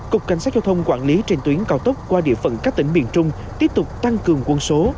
cục cảnh sát giao thông quản lý trên tuyến cao tốc qua địa phận các tỉnh miền trung tiếp tục tăng cường quân số